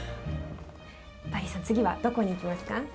バリーさん次はどこに行きますか？